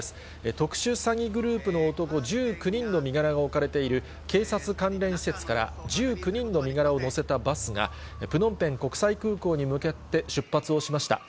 特殊詐欺グループの男１９人の身柄が置かれている警察関連施設から、１９人の身柄を乗せたバスが、プノンペン国際空港に向けて出発をしました。